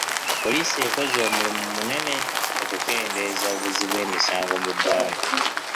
Poliisi ekoze omulimu munene okukendeeza obuzzi bw'emisango mu ggwanga.